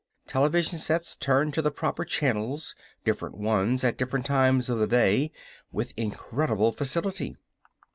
Television sets turned to the proper channels different ones at different times of day with incredible facility.